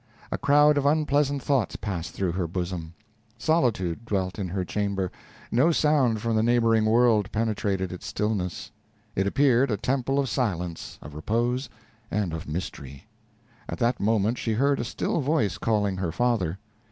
A crowd of unpleasant thoughts passed through her bosom. Solitude dwelt in her chamber no sound from the neighboring world penetrated its stillness; it appeared a temple of silence, of repose, and of mystery. At that moment she heard a still voice calling her father.